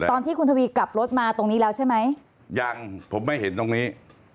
ตอนที่คุณทวีกลับรถมาตรงนี้แล้วใช่ไหมยังผมไม่เห็นตรงนี้